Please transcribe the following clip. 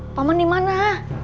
apakah paman baik baik saja